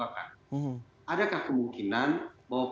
adakah kemungkinan bahwa proses introgasi atau pemeriksaan itu akan berhasil